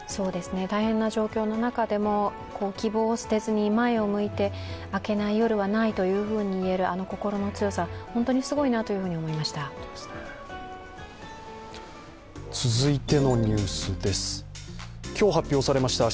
大変な状況の中でも希望を捨てずに前を向いて、明けない夜はないと言えるあの心の強さ、本当にすごいなと思いました。